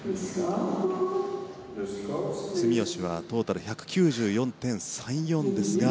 住吉はトータル１４９．３４です。